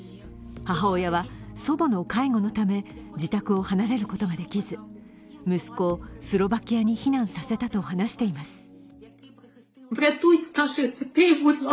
母親は祖母の介護のため、自宅を離れることができず息子をスロバキアに避難させたと話しています。